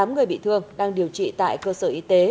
tám người bị thương đang điều trị tại cơ sở